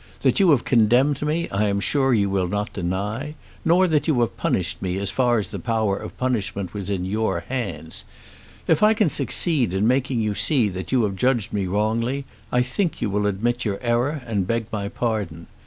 That you have condemned me I am sure you will not deny; nor that you have punished me as far as the power of punishment was in your hands. If I can succeed in making you see that you have judged me wrongly, I think you will admit your error and beg my pardon.